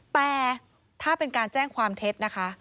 แต่ถ้าเป็นการแจ้งความเท็จนะคะ